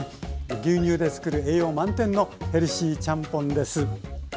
牛乳で作る栄養満点のヘルシーちゃんぽんです。